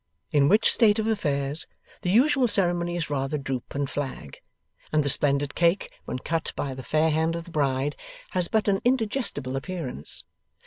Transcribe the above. In which state of affairs, the usual ceremonies rather droop and flag, and the splendid cake when cut by the fair hand of the bride has but an indigestible appearance.